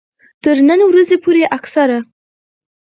تر نن ورځې پورې اکثره